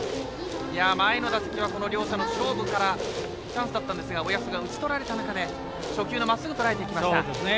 前の打席は、この両者の勝負からチャンスだったんですが親富祖が打ちとられた中で初球、まっすぐ捉えてきました。